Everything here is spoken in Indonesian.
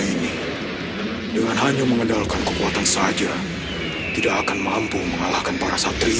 ini dengan hanya mengandalkan kekuatan saja tidak akan mampu mengalahkan para santri